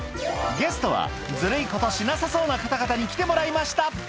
ゲストはズルいことしなさそうな方々に来てもらいました